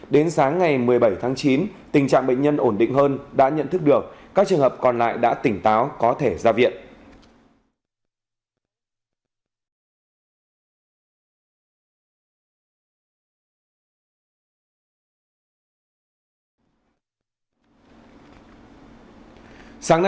đến sáng ngày một mươi bảy tháng chín tình trạng bệnh nhân ổn định hơn đã nhận thức được các trường hợp còn lại đã tỉnh táo có thể ra viện